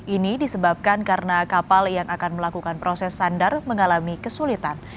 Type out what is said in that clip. ini disebabkan karena kapal yang akan melakukan proses sandar mengalami kesulitan